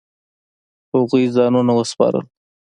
هغوی ځانونه وسپارل.